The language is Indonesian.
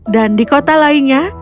dan di kota lainnya